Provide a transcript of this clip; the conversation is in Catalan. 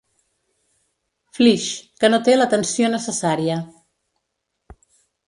Flix, que no té la tensió necessària.